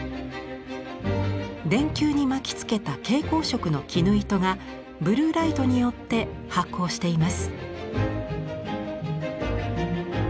電球に巻きつけた蛍光色の絹糸がブルーライトによって発光しています。